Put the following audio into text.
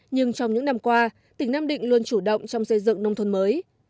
nhưng trong những năm qua tỉnh nam định luôn chủ động trong xây dựng nông thôn mới